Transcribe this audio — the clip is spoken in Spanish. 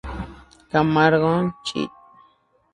Camargo Chih.